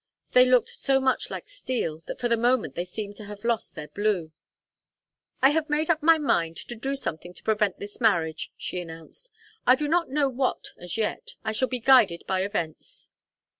They looked so much like steel that for the moment they seemed to have lost their blue. "I have made up my mind to do something to prevent this marriage," she announced. "I do not know what, as yet. I shall be guided by events."